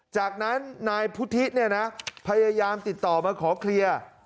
จากนั้นนายพุทธิเนี่ยนะพยายามติดต่อมาขอเคลียร์